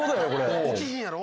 起きひんやろ？